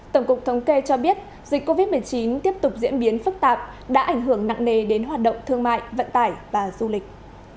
tổng cục thống kê cho biết dịch covid một mươi chín tiếp tục diễn biến phức tạp đã ảnh hưởng nặng nề đến hoạt động thương mại vận tải và du lịch